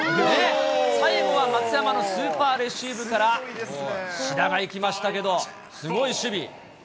最後は松山のスーパーレシーブから、志田が行きましたけど、すごい守備。